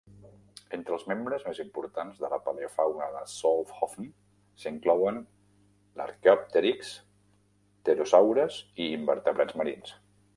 Entre els membres més importants de la paleofauna de Solnhofen s'inclouen l'"arqueòpterix", pterosaures, i invertebrats marins.